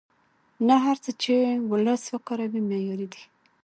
نه هر څه چې وولس وکاروي معیاري دي.